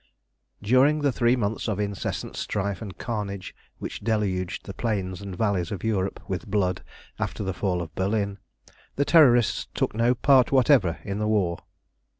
During the three months of incessant strife and carnage which deluged the plains and valleys of Europe with blood after the fall of Berlin, the Terrorists took no part whatever in the war.